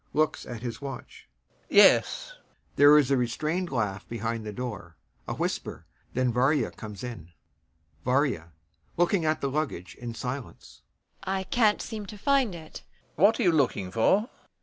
[Looks at his watch] Yes.... [There is a restrained laugh behind the door, a whisper, then VARYA comes in.] VARYA. [Looking at the luggage in silence] I can't seem to find it.... LOPAKHIN. What are you looking for? VARYA.